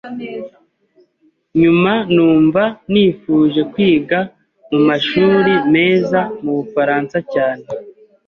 nyuma numva nifuje kwiga mu mashuri meza mu Bufaransa cyane